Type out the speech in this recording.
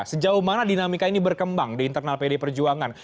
sejauh mana dinamika ini berkembang di internal pdi perjuangan